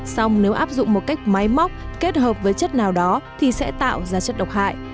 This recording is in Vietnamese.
xong nếu áp dụng một cách máy móc kết hợp với chất nào đó thì sẽ tạo ra chất độc hại